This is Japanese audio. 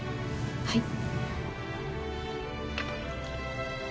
はい。